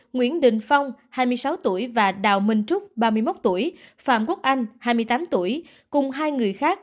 nguyễn đình phong hai mươi sáu tuổi và đào minh trúc ba mươi một tuổi phạm quốc anh hai mươi tám tuổi cùng hai người khác